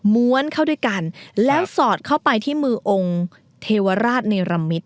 ้วนเข้าด้วยกันแล้วสอดเข้าไปที่มือองค์เทวราชเนรมิต